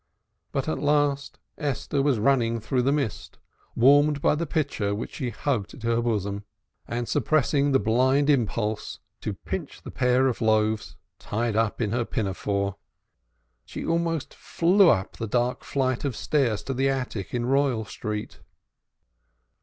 But at last Esther was running through the mist, warmed by the pitcher which she hugged to her bosom, and suppressing the blind impulse to pinch the pair of loaves tied up in her pinafore. She almost flew up the dark flight of stairs to the attic in Royal Street.